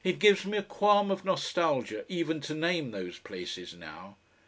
It gives me a qualm of nostalgia even to name those places now.